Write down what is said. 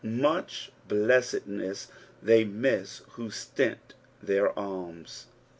Mech I blessedness thev miss who stint their alms.